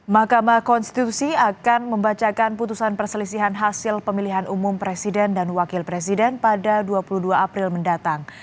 mahkamah konstitusi akan membacakan putusan perselisihan hasil pemilihan umum presiden dan wakil presiden pada dua puluh dua april mendatang